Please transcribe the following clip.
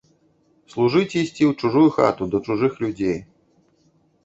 Служыць ісці ў чужую хату, да чужых людзей.